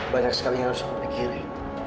banyak sekali yang harus aku pikirin